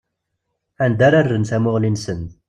Anda ara rren tamuɣli-nsen.